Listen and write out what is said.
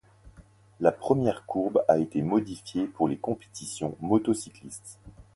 La première courbe a été modifiée pour les compétitions motocyclistes.